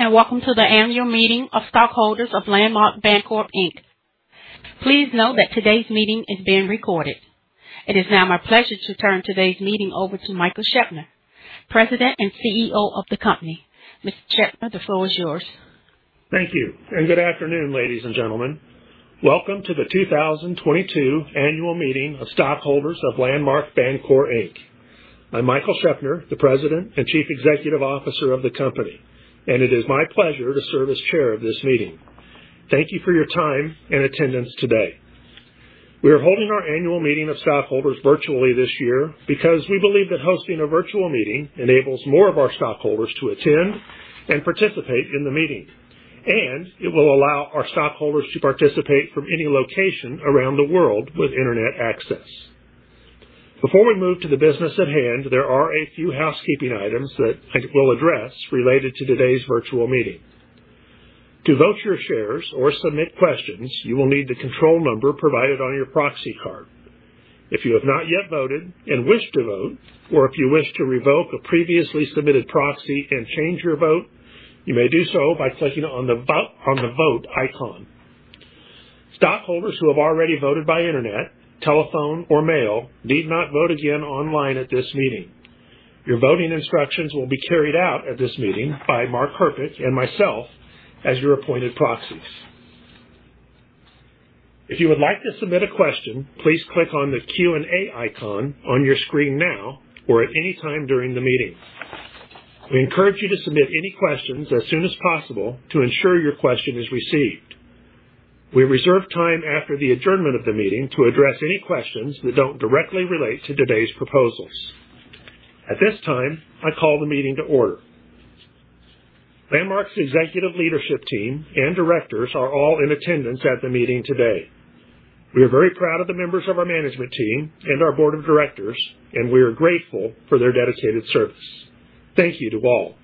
Hello, and welcome to the annual meeting of stockholders of Landmark Bancorp, Inc. Please know that today's meeting is being recorded. It is now my pleasure to turn today's meeting over to Michael Scheopner, President and CEO of the company. Mr. Scheopner, the floor is yours. Thank you, and good afternoon, ladies and gentlemen. Welcome to The 2022 Annual Meeting of Stockholders of Landmark Bancorp, Inc. I'm Michael Scheopner, the President and Chief Executive Officer of the company, and it is my pleasure to serve as chair of this meeting. Thank you for your time and attendance today. We are holding our annual meeting of stockholders virtually this year because we believe that hosting a virtual meeting enables more of our stockholders to attend and participate in the meeting, and it will allow our stockholders to participate from any location around the world with internet access. Before we move to the business at hand, there are a few housekeeping items that I will address related to today's virtual meeting. To vote your shares or submit questions, you will need the control number provided on your proxy card. If you have not yet voted and wish to vote, or if you wish to revoke a previously submitted proxy and change your vote, you may do so by clicking on the Vote icon. Stockholders who have already voted by internet, telephone, or mail need not vote again online at this meeting. Your voting instructions will be carried out at this meeting by Mark Herpich and myself as your appointed proxies. If you would like to submit a question, please click on the Q&A icon on your screen now or at any time during the meeting. We encourage you to submit any questions as soon as possible to ensure your question is received. We reserve time after the adjournment of the meeting to address any questions that don't directly relate to today's proposals. At this time, I call the meeting to order. Landmark's executive leadership team and directors are all in attendance at the meeting today. We are very proud of the members of our management team and our board of directors, and we are grateful for their dedicated service. Thank you to all.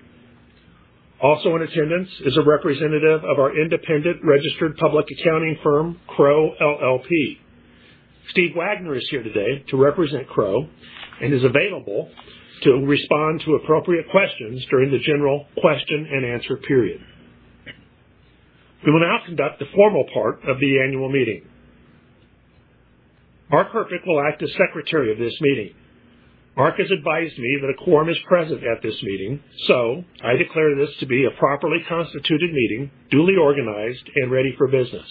Also in attendance is a representative of our independent registered public accounting firm, Crowe LLP. Steve Wagner is here today to represent Crowe and is available to respond to appropriate questions during the general question-and-answer period. We will now conduct the formal part of the annual meeting. Mark Herpich will act as secretary of this meeting. Mark has advised me that a quorum is present at this meeting, so I declare this to be a properly constituted meeting, duly organized and ready for business.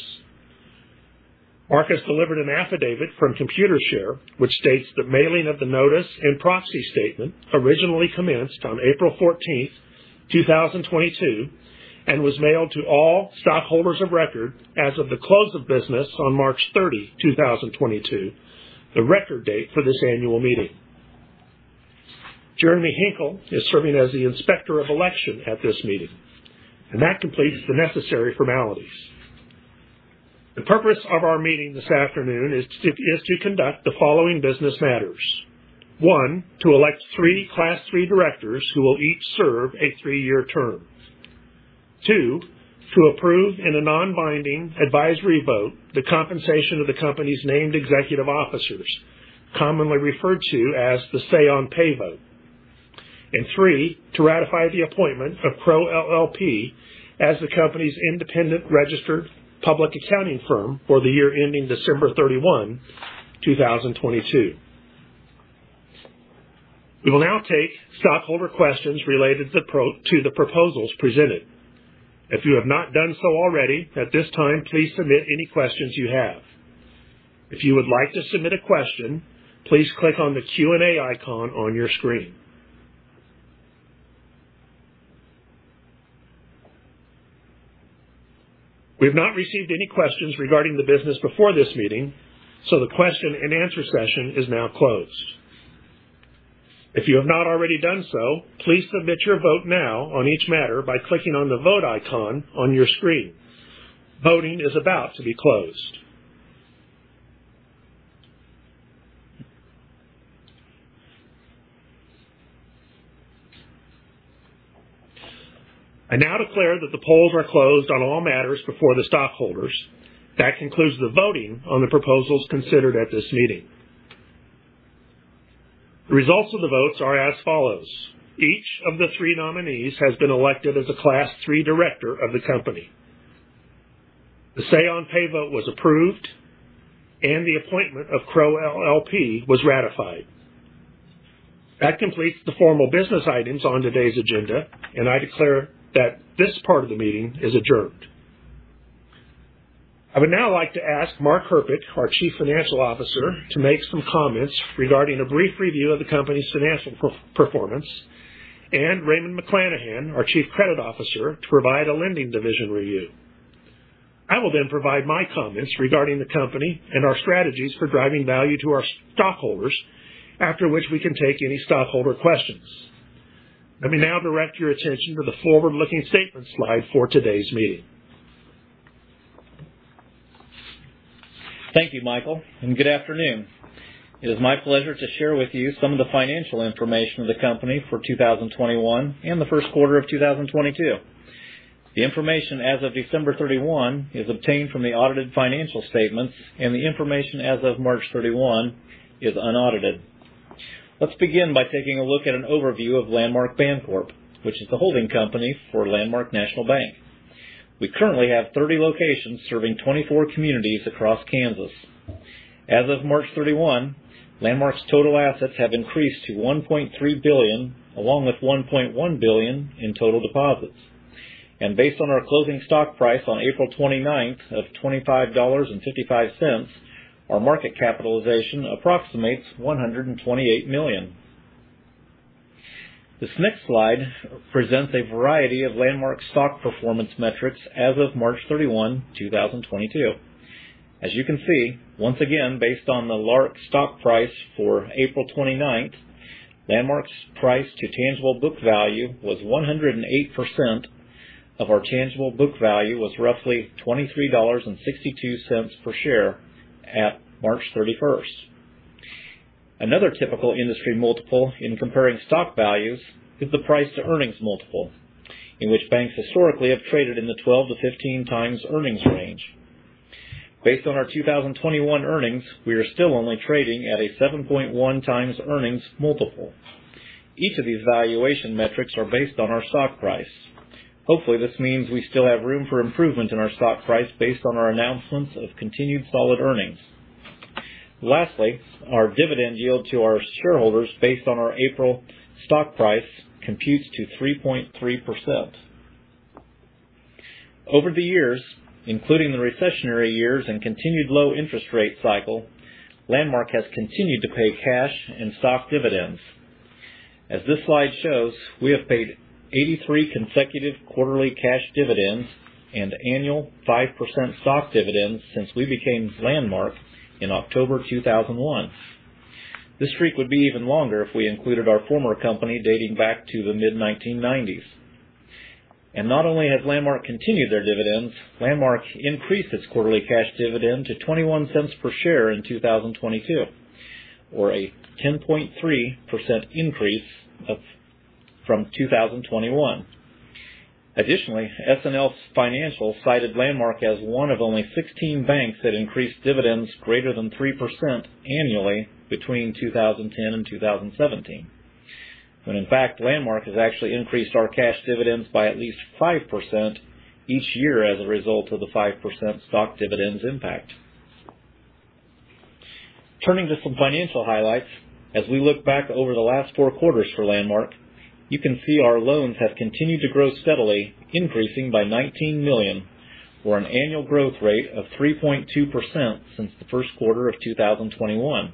Mark has delivered an affidavit from Computershare, which states the mailing of the notice and proxy statement originally commenced on April 14th, 2022, and was mailed to all stockholders of record as of the close of business on March 30, 2022, the record date for this annual meeting. Jeremy Hinkle is serving as the Inspector of Election at this meeting, and that completes the necessary formalities. The purpose of our meeting this afternoon is to conduct the following business matters. One, to elect three Class three directors who will each serve a three-year term. Two, to approve in a non-binding advisory vote the compensation of the company's named executive officers, commonly referred to as the say-on-pay vote. Three, to ratify the appointment of Crowe LLP as the company's independent registered public accounting firm for the year ending December 31, 2022. We will now take stockholder questions related to the proposals presented. If you have not done so already, at this time, please submit any questions you have. If you would like to submit a question, please click on the Q&A icon on your screen. We have not received any questions regarding the business before this meeting, so the question and answer session is now closed. If you have not already done so, please submit your vote now on each matter by clicking on the Vote icon on your screen. Voting is about to be closed. I now declare that the polls are closed on all matters before the stockholders. That concludes the voting on the proposals considered at this meeting. The results of the votes are as follows: Each of the three nominees has been elected as a class three director of the company. The say-on-pay vote was approved, and the appointment of Crowe LLP was ratified. That completes the formal business items on today's agenda, and I declare that this part of the meeting is adjourned. I would now like to ask Mark Herpich, our Chief Financial Officer, to make some comments regarding a brief review of the company's financial performance, and Raymond McClanahan, our Chief Credit Officer, to provide a lending division review. I will then provide my comments regarding the company and our strategies for driving value to our stockholders, after which we can take any stockholder questions. Let me now direct your attention to the forward-looking statement slide for today's meeting. Thank you, Michael, and good afternoon. It is my pleasure to share with you some of the financial information of the company for 2021 and the first quarter of 2022. The information as of December 31 is obtained from the audited financial statements, and the information as of March 31 is unaudited. Let's begin by taking a look at an overview of Landmark Bancorp, which is the holding company for Landmark National Bank. We currently have 30 locations serving 24 communities across Kansas. As of March 31, Landmark's total assets have increased to $1.3 billion, along with $1.1 billion in total deposits. Based on our closing stock price on April 29th of $25.55, our market capitalization approximates $128 million. This next slide presents a variety of Landmark stock performance metrics as of March 31, 2022. As you can see, once again, based on the LARK stock price for April 29th, Landmark's price to tangible book value was 108% of our tangible book value was roughly $23.62 per share at March 31st. Another typical industry multiple in comparing stock values is the price to earnings multiple, in which banks historically have traded in the 12-15 times earnings range. Based on our 2021 earnings, we are still only trading at a 7.1x earnings multiple. Each of these valuation metrics are based on our stock price. Hopefully, this means we still have room for improvement in our stock price based on our announcements of continued solid earnings. Lastly, our dividend yield to our shareholders based on our April stock price computes to 3.3%. Over the years, including the recessionary years and continued low interest rate cycle, Landmark has continued to pay cash and stock dividends. As this slide shows, we have paid 83 consecutive quarterly cash dividends and annual 5% stock dividends since we became Landmark in October 2001. This streak would be even longer if we included our former company dating back to the mid-1990s. Not only has Landmark continued their dividends, Landmark increased its quarterly cash dividend to $0.21 per share in 2022, or a 10.3% increase from 2021. Additionally, S&P Global cited Landmark as one of only 16 banks that increased dividends greater than 3% annually between 2010 and 2017. When in fact, Landmark has actually increased our cash dividends by at least 5% each year as a result of the 5% stock dividends impact. Turning to some financial highlights, as we look back over the last four quarters for Landmark, you can see our loans have continued to grow steadily, increasing by $19 million, or an annual growth rate of 3.2% since the first quarter of 2021,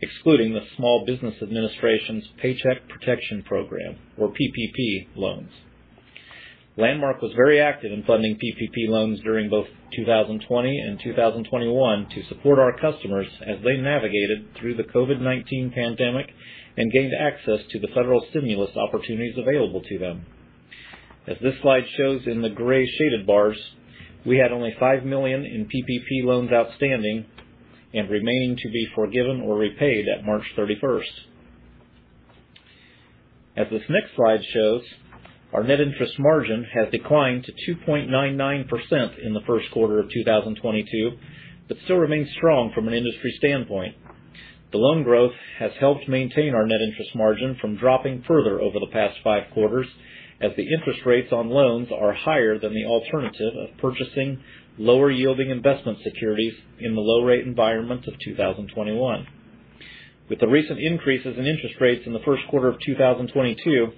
excluding the Small Business Administration's Paycheck Protection Program or PPP loans. Landmark was very active in funding PPP loans during both 2020 and 2021 to support our customers as they navigated through the COVID-19 pandemic and gained access to the federal stimulus opportunities available to them. As this slide shows in the gray shaded bars, we had only $5 million in PPP loans outstanding and remaining to be forgiven or repaid at March 31. As this next slide shows, our net interest margin has declined to 2.99% in the first quarter of 2022, but still remains strong from an industry standpoint. The loan growth has helped maintain our net interest margin from dropping further over the past five quarters, as the interest rates on loans are higher than the alternative of purchasing lower yielding investment securities in the low rate environment of 2021. With the recent increases in interest rates in the first quarter of 2022,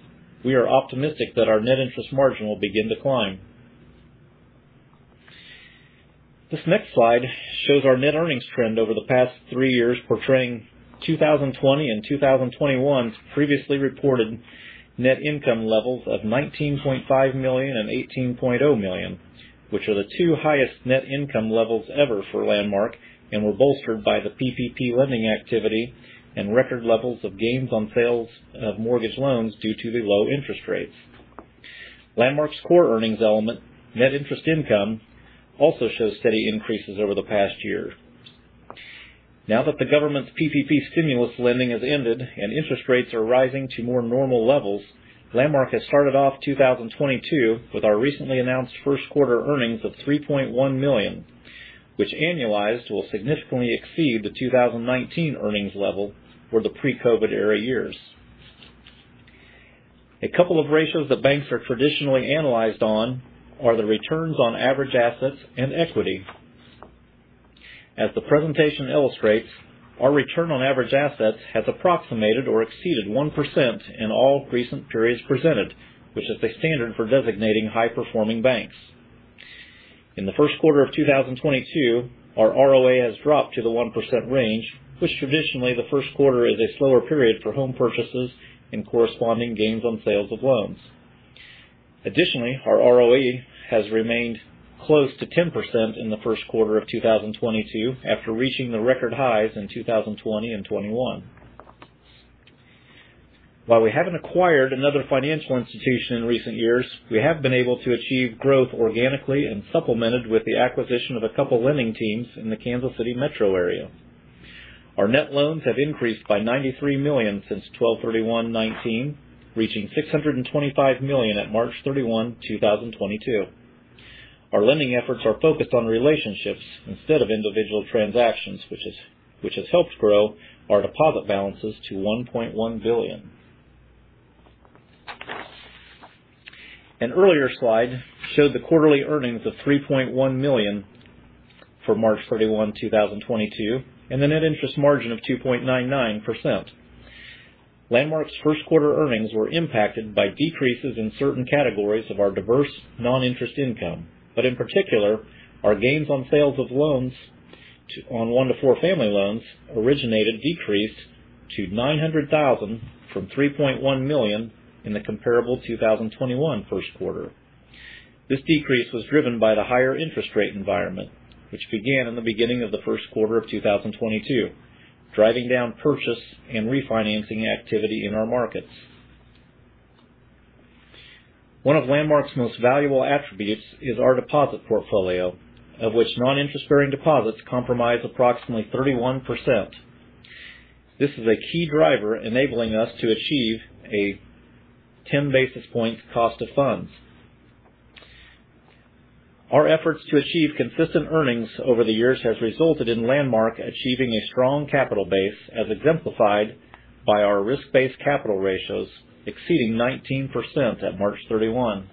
we are optimistic that our net interest margin will begin to climb. This next slide shows our net earnings trend over the past three years, portraying 2020 and 2021's previously reported net income levels of $19.5 million and $18.0 million, which are the two highest net income levels ever for Landmark and were bolstered by the PPP lending activity and record levels of gains on sales of mortgage loans due to the low interest rates. Landmark's core earnings element, net interest income, also shows steady increases over the past year. Now that the government's PPP stimulus lending has ended and interest rates are rising to more normal levels, Landmark has started off 2022 with our recently announced first quarter earnings of $3.1 million, which annualized will significantly exceed the 2019 earnings level for the pre-COVID era years. A couple of ratios that banks are traditionally analyzed on are the returns on average assets and equity. As the presentation illustrates, our return on average assets has approximated or exceeded 1% in all recent periods presented, which is the standard for designating high performing banks. In the first quarter of 2022, our ROA has dropped to the 1% range, which traditionally the first quarter is a slower period for home purchases and corresponding gains on sales of loans. Additionally, our ROE has remained close to 10% in the first quarter of 2022 after reaching the record highs in 2020 and 2021. While we haven't acquired another financial institution in recent years, we have been able to achieve growth organically and supplemented with the acquisition of a couple lending teams in the Kansas City metro area. Our net loans have increased by $93 million since 12/31/2019, reaching $625 million at March 31, 2022. Our lending efforts are focused on relationships instead of individual transactions, which has helped grow our deposit balances to $1.1 billion. An earlier slide showed the quarterly earnings of $3.1 million for March 31, 2022, and a net interest margin of 2.99%. Landmark's first quarter earnings were impacted by decreases in certain categories of our diverse non-interest income, but in particular, our gains on sales of loans on one to four family loans originated decreased to $900,000 from $3.1 million in the comparable 2021 first quarter. This decrease was driven by the higher interest rate environment, which began in the beginning of the first quarter of 2022, driving down purchase and refinancing activity in our markets. One of Landmark's most valuable attributes is our deposit portfolio, of which non-interest bearing deposits comprise approximately 31%. This is a key driver enabling us to achieve a 10 basis points cost of funds. Our efforts to achieve consistent earnings over the years has resulted in Landmark achieving a strong capital base, as exemplified by our risk-based capital ratios exceeding 19% at March 31.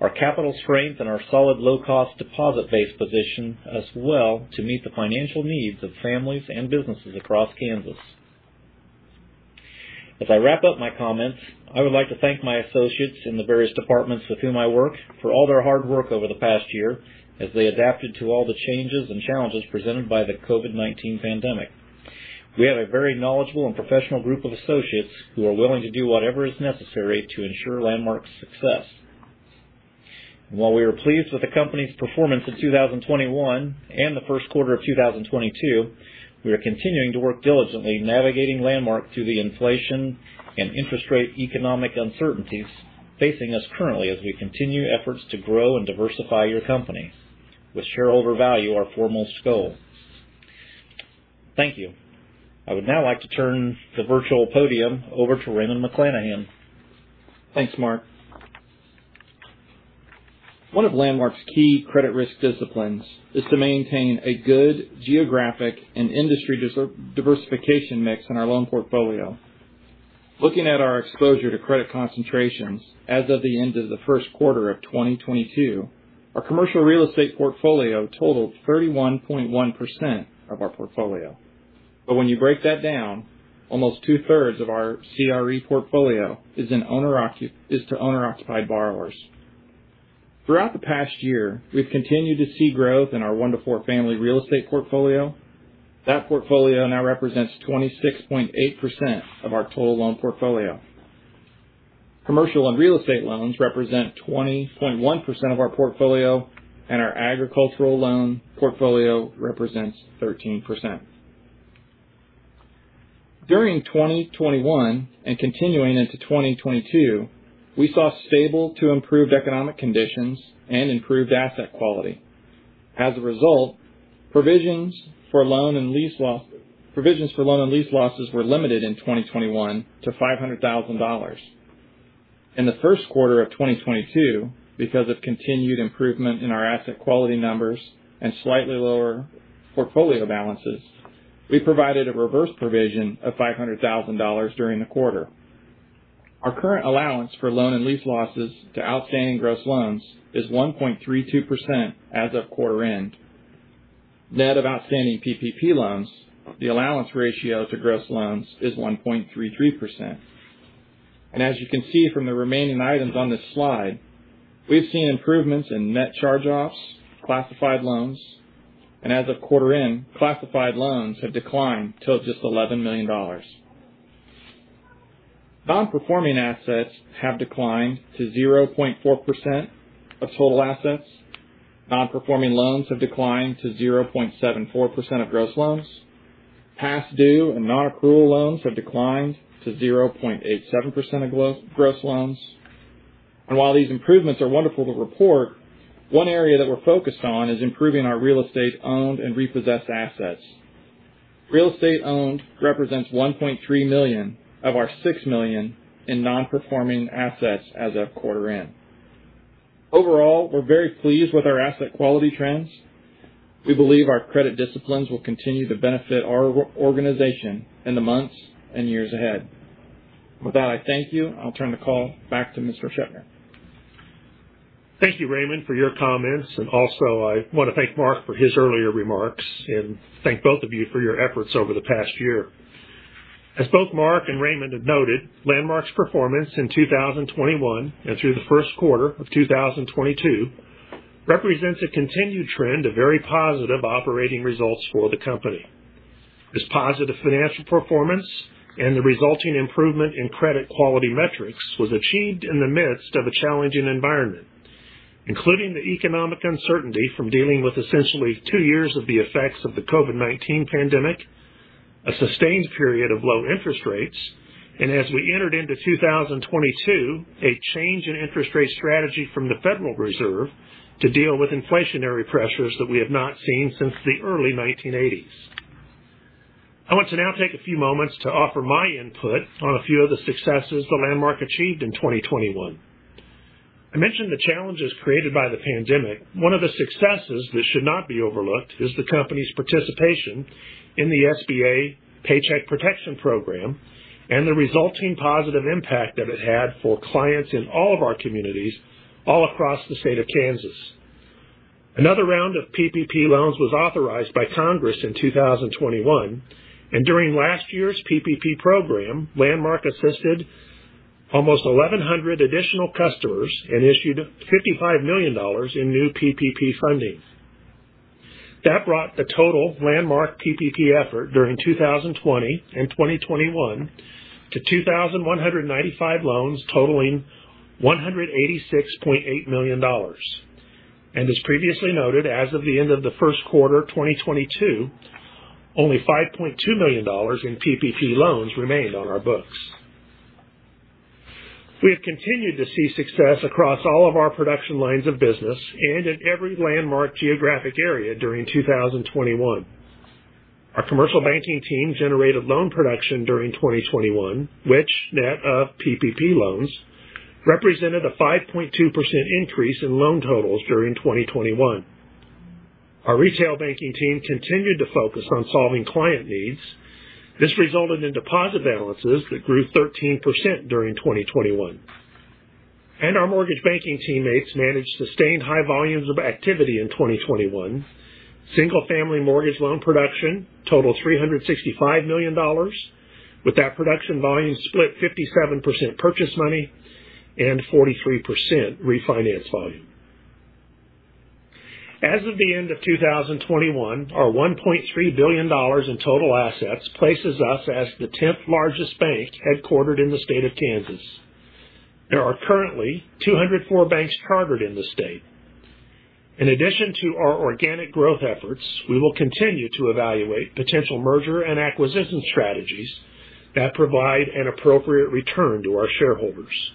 Our capital strength and our solid low cost deposit base position us well to meet the financial needs of families and businesses across Kansas. As I wrap up my comments, I would like to thank my associates in the various departments with whom I work for all their hard work over the past year as they adapted to all the changes and challenges presented by the COVID-19 pandemic. We have a very knowledgeable and professional group of associates who are willing to do whatever is necessary to ensure Landmark's success. While we are pleased with the company's performance in 2021 and the first quarter of 2022, we are continuing to work diligently navigating Landmark through the inflation and interest rate economic uncertainties facing us currently as we continue efforts to grow and diversify your company with shareholder value our foremost goal. Thank you. I would now like to turn the virtual podium over to Raymond McClanahan. Thanks, Mark. One of Landmark's key credit risk disciplines is to maintain a good geographic and industry diversification mix in our loan portfolio. Looking at our exposure to credit concentrations, as of the end of the first quarter of 2022, our commercial real estate portfolio totaled 31.1% of our portfolio. When you break that down, almost two-thirds of our CRE portfolio is in owner-occupied borrowers. Throughout the past year, we've continued to see growth in our 1-4 family real estate portfolio. That portfolio now represents 26.8% of our total loan portfolio. Commercial and real estate loans represent 20.1% of our portfolio, and our agricultural loan portfolio represents 13%. During 2021 and continuing into 2022, we saw stable to improved economic conditions and improved asset quality. As a result, provisions for loan and lease losses were limited in 2021 to $500,000. In the first quarter of 2022, because of continued improvement in our asset quality numbers and slightly lower portfolio balances, we provided a reverse provision of $500,000 during the quarter. Our current allowance for loan and lease losses to outstanding gross loans is 1.32% as of quarter end. Net of outstanding PPP loans, the allowance ratio to gross loans is 1.33%. As you can see from the remaining items on this slide, we've seen improvements in net charge-offs, classified loans, and as of quarter end, classified loans have declined to just $11 million. Non-performing assets have declined to 0.4% of total assets. Non-performing loans have declined to 0.74% of gross loans. Past due and non-accrual loans have declined to 0.87% of gross loans. While these improvements are wonderful to report, one area that we're focused on is improving our real estate owned and repossessed assets. Real estate owned represents $1.3 million of our $6 million in non-performing assets as of quarter end. Overall, we're very pleased with our asset quality trends. We believe our credit disciplines will continue to benefit our organization in the months and years ahead. With that, I thank you, and I'll turn the call back to Mr. Scheopner. Thank you, Raymond, for your comments. I wanna thank Mark for his earlier remarks, and thank both of you for your efforts over the past year. As both Mark and Raymond have noted, Landmark's performance in 2021 and through the first quarter of 2022 represents a continued trend of very positive operating results for the company. This positive financial performance and the resulting improvement in credit quality metrics was achieved in the midst of a challenging environment, including the economic uncertainty from dealing with essentially two years of the effects of the COVID-19 pandemic, a sustained period of low interest rates, and as we entered into 2022, a change in interest rate strategy from the Federal Reserve to deal with inflationary pressures that we have not seen since the early 1980s. I want to now take a few moments to offer my input on a few of the successes that Landmark achieved in 2021. I mentioned the challenges created by the pandemic. One of the successes that should not be overlooked is the company's participation in the SBA Paycheck Protection Program and the resulting positive impact that it had for clients in all of our communities all across the state of Kansas. Another round of PPP loans was authorized by Congress in 2021, and during last year's PPP program, Landmark assisted almost 1,100 additional customers and issued $55 million in new PPP funding. That brought the total Landmark PPP effort during 2020 and 2021 to 2,195 loans totaling $186.8 million. As previously noted, as of the end of the first quarter 2022, only $5.2 million in PPP loans remained on our books. We have continued to see success across all of our production lines of business and in every Landmark geographic area during 2021. Our commercial banking team generated loan production during 2021, which net of PPP loans represented a 5.2% increase in loan totals during 2021. Our retail banking team continued to focus on solving client needs. This resulted in deposit balances that grew 13% during 2021. Our mortgage banking teammates managed sustained high volumes of activity in 2021. Single-family mortgage loan production totaled $365 million, with that production volume split 57% purchase money and 43% refinance volume. As of the end of 2021, our $1.3 billion in total assets places us as the 10th largest bank headquartered in the state of Kansas. There are currently 204 banks chartered in the state. In addition to our organic growth efforts, we will continue to evaluate potential merger and acquisition strategies that provide an appropriate return to our shareholders.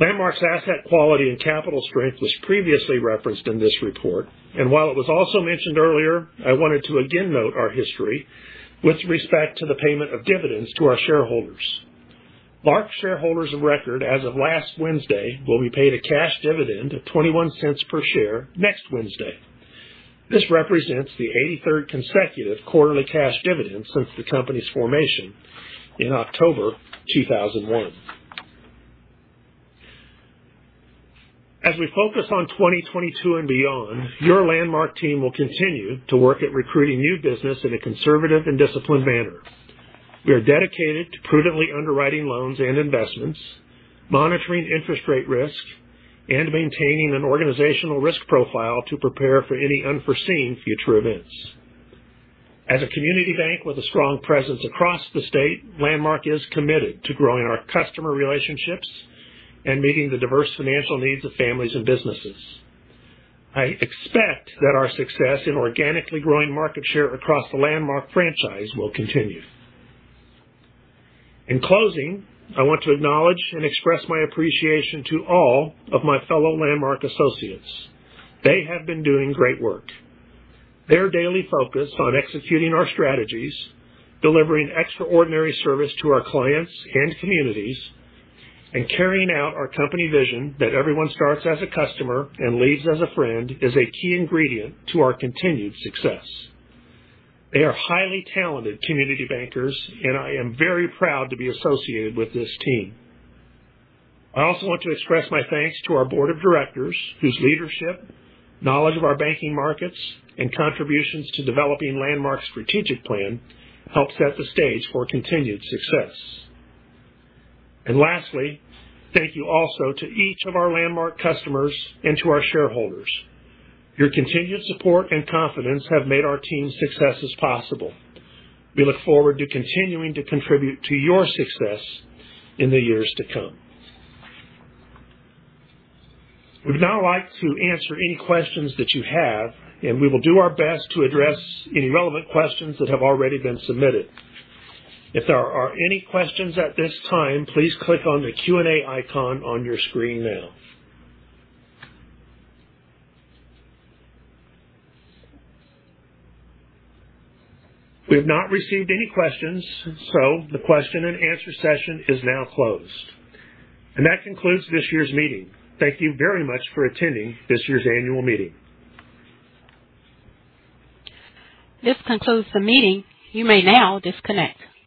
Landmark's asset quality and capital strength was previously referenced in this report. While it was also mentioned earlier, I wanted to again note our history with respect to the payment of dividends to our shareholders. Landmark shareholders of record as of last Wednesday will be paid a cash dividend of $0.21 per share next Wednesday. This represents the 83rd consecutive quarterly cash dividend since the company's formation in October 2001. As we focus on 2022 and beyond, your Landmark team will continue to work at recruiting new business in a conservative and disciplined manner. We are dedicated to prudently underwriting loans and investments, monitoring interest rate risk, and maintaining an organizational risk profile to prepare for any unforeseen future events. As a community bank with a strong presence across the state, Landmark is committed to growing our customer relationships and meeting the diverse financial needs of families and businesses. I expect that our success in organically growing market share across the Landmark franchise will continue. In closing, I want to acknowledge and express my appreciation to all of my fellow Landmark associates. They have been doing great work. Their daily focus on executing our strategies, delivering extraordinary service to our clients and communities, and carrying out our company vision that everyone starts as a customer and leaves as a friend, is a key ingredient to our continued success. They are highly talented community bankers, and I am very proud to be associated with this team. I also want to express my thanks to our board of directors whose leadership, knowledge of our banking markets, and contributions to developing Landmark's strategic plan help set the stage for continued success. Lastly, thank you also to each of our Landmark customers and to our shareholders. Your continued support and confidence have made our team's successes possible. We look forward to continuing to contribute to your success in the years to come. We'd now like to answer any questions that you have, and we will do our best to address any relevant questions that have already been submitted. If there are any questions at this time, please click on the Q&A icon on your screen now. We have not received any questions, so the question and answer session is now closed. That concludes this year's meeting. Thank you very much for attending this year's annual meeting. This concludes the meeting. You may now disconnect.